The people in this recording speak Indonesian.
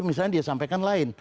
misalnya dia sampaikan lain